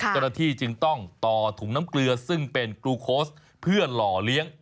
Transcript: เจ้าหน้าที่จึงต้องต่อถุงน้ำเกลือซึ่งเป็นกลูโค้ชเพื่อหล่อเลี้ยง